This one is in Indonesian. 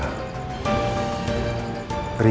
riki kepada keisha